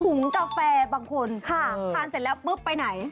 กาแฟบางคนค่ะทานเสร็จแล้วปุ๊บไปไหน